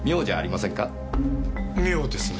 妙ですね。